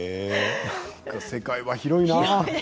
世界は広いなあ。